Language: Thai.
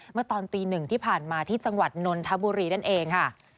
เมื่อตอนตีหนึ่งที่ผ่านมาที่จังหวัดนนทบุรีนั่นเองค่ะ